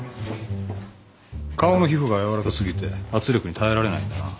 顔の皮膚が柔らかすぎて圧力に耐えられないんだな。